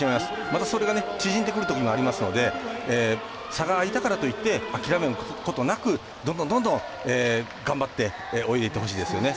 またそれが縮んでくるときもありますので差が開いたからといって諦めることなくどんどん頑張って泳いでいってほしいですよね。